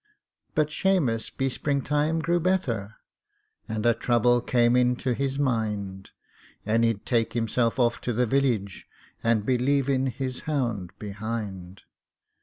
But Shamus be springtime grew betther, And a trouble came into his mind; And he'd take himself off to the village, And be leavin' his hound behind!